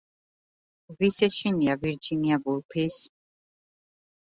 ვის ეშინია ვირჯინია ვულფის?